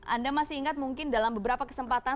anda masih ingat mungkin dalam beberapa kesempatan